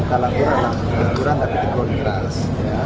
tapi apa yang kita lakukan adalah teguran keras